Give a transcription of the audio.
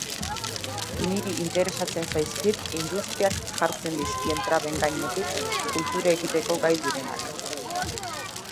Niri interesatzen zaizkit industriak jartzen dizkien traben gainetik kultura egiteko gai direnak.